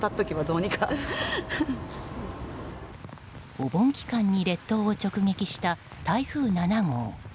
お盆期間に列島を直撃した台風７号。